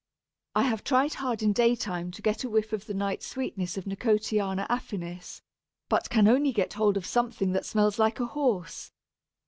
I have tried hard in daytime to get a whiff of the night sweetness of Nicotiana affinis, but can only get hold of something that smells like a horse!